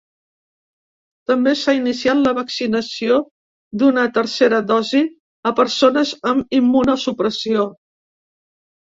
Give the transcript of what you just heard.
També s’ha iniciat la vaccinació d’una tercera dosi a persones amb immunosupressió.